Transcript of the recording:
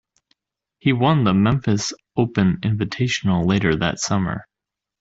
He won the Memphis Open Invitational later that summer.